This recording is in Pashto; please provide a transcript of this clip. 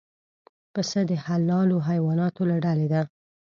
پسه د حلالو حیواناتو له ډلې دی.